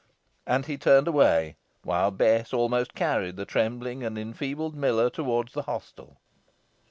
And he turned away, while Bess almost carried the trembling and enfeebled miller towards the hostel.